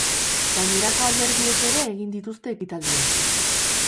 Gainerako alderdiek ere egin dituzte ekitaldiak.